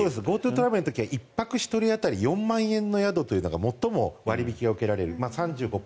ＧｏＴｏトラベルの時は１泊１人当たり４万円の宿がもっとも割引が受けられる。